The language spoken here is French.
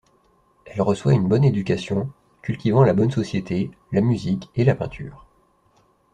Elle reçoit une bonne éducation, cultivant la bonne société, la musique et la peinture.